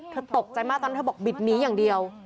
ตกใจมากตอนนั้นเธอบอกบิดหนีอย่างเดียว